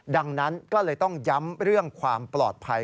ดังนั้นก็เลยต้องย้ำเรื่องความปลอดภัย